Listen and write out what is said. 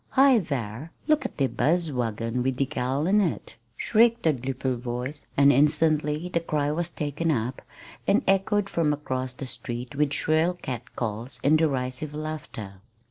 "Hi, thar, look at de buz wagon wid de gal in it!" shrieked a gleeful voice, and instantly the cry was taken up and echoed from across the street with shrill catcalls and derisive laughter.